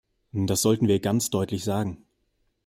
Das sollten wir ganz deutlich sagen.